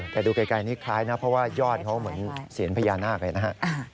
แต่ดูไกลนี่คล้ายนะเพราะว่ายอดเขาเหมือนเสียญพญานาคเลยนะฮะ